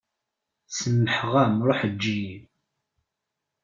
Semmḥeɣ-am ṛuḥ eǧǧ-iyi.